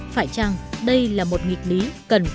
phải chăng đây là một nghịch lý cần phải cân bằng lại